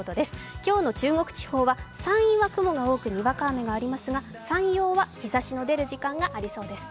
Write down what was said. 今日の中国地方は山陰は雲が多くにわか雨がありますが山陽は日ざしの出る時間がありそうです。